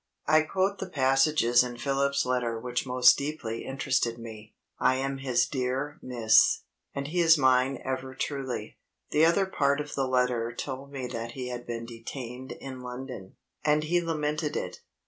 I quote the passages in Philip's letter which most deeply interested me I am his dear miss; and he is mine ever truly. The other part of the letter told me that he had been detained in London, and he lamented it.